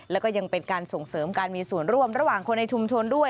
แล้วก็ยังเป็นการส่งเสริมการมีส่วนร่วมระหว่างคนในชุมชนด้วย